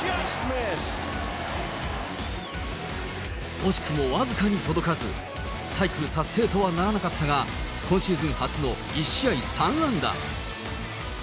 惜しくも僅かに届かず、サイクル達成とはならなかったが、今シーズン初の１試合３安打。